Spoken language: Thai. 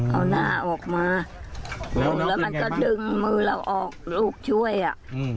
เอาหน้าออกมาแล้วมันก็ดึงมือเราออกลูกช่วยอ่ะ